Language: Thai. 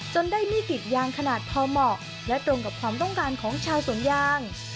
ได้มีดกรีดยางขนาดพอเหมาะและตรงกับความต้องการของชาวสวนยาง